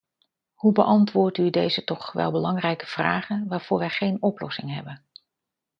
Hoe beantwoordt u deze toch wel belangrijke vragen, waarvoor wij nog geen oplossing hebben?